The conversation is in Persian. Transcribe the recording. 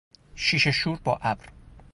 شیشه شور با ابر